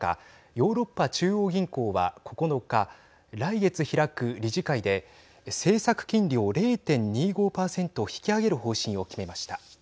ヨーロッパ中央銀行は９日来月開く理事会で政策金利を０．２５％引き上げる方針を決めました。